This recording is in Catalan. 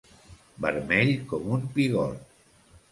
Vermell com un pigot.